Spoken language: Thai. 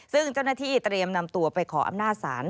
ซึ่งเจ้าหน้าที่เตรียมนำตัวไปขออำนาจศาล